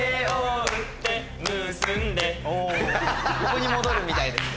ここに戻るみたいです。